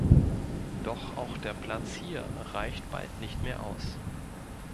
Doch auch der Platz hier reicht bald nicht mehr aus.